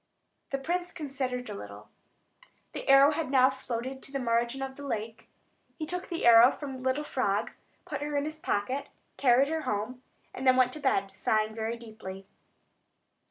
The prince considered a little. The arrow had now floated to the margin of the lake; he took the arrow from the little frog, put her in his pocket, carried her home, and then went to bed, sighing very deeply.